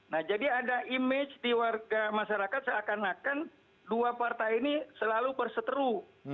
nah jadi ada image di warga masyarakat seakan akan dua partai ini selalu berseteru